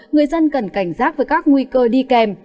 người dân cần cảnh giác với các nguy cơ đi kèm